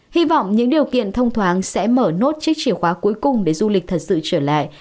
hy vọng những điều kiện thông thoáng sẽ mở nốt chiếc chìa khóa cuối cùng để du lịch thật sự trở lại